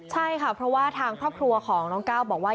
ใช่ค่ะเพราะว่าทางครอบครัวของน้องก้าวบอกว่า